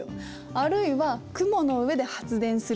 あるいは雲の上で発電するとか！